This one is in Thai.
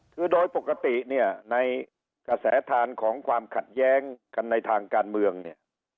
คือโดยปกติเนี่ยในกระแสทานของความขัดแย้งกันในทางการเมืองเนี่ย